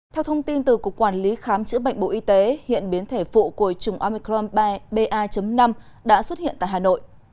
theo thông tin từ cục quản lý khám chữa bệnh bộ y tế hiện biến thể vụ của trùng omicron ba năm đã xuất hiện tại hà nội